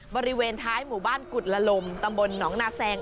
บริเวณท้ายหมู่บ้านกุฎละลมตำบลหนองนาแซง